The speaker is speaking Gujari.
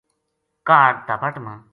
کاہڈ تابٹ ما